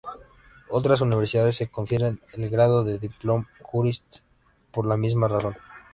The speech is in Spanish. Otras universidades confieren el grado de Diplom-Jurist por la misma razón.